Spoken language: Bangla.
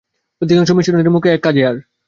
অধিকাংশ মিশনরী মুখে এক, কাজে আর।